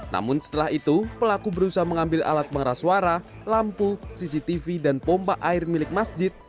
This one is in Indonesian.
namun setelah itu pelaku berusaha mengambil alat pengeras suara lampu cctv dan pompa air milik masjid